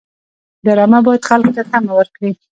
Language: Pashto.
ډرامه باید خلکو ته تمه ورکړي